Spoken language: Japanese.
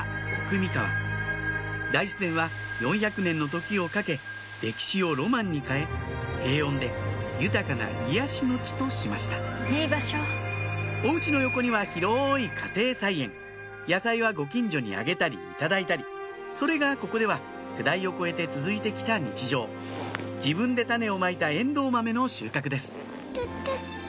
三河大自然は４００年の時をかけ歴史をロマンに変え平穏で豊かな癒やしの地としましたお家の横には広い家庭菜園野菜はご近所にあげたり頂いたりそれがここでは世代を超えて続いてきた日常自分で種をまいたエンドウマメの収穫です